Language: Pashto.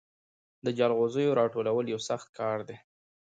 د جلغوزیو راټولول یو سخت کار دی.